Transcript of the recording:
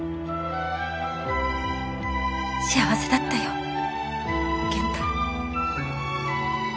幸せだったよ健太。